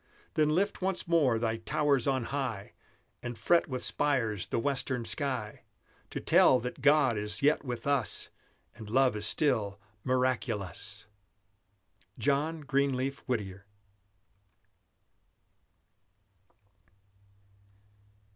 Then lift once more thy towers on high, And fret with spires the western sky, To tell that God is yet with us, And love is still miraculous! JOHN GREENLEAF WHITTIER.